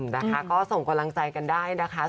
นะคะก็ส่งกำลังใจกันได้นะคะ